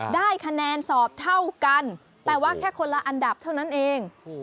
ได้คะแนนสอบเท่ากันแต่ว่าแค่คนละอันดับเท่านั้นเอง